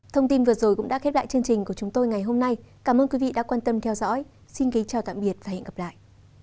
thông tin vừa rồi cũng đã khép lại chương trình của chúng tôi ngày hôm nay cảm ơn quý vị đã quan tâm theo dõi xin kính chào tạm biệt và hẹn gặp lại